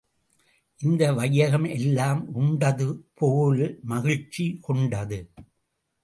இந்த வையகம் எல்லாம் உண்டது போல் மகிழ்ச்சி கொண்டது.